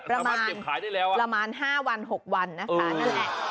ประมาณเก็บขายได้แล้วประมาณประมาณห้าวันหกวันนะคะอืม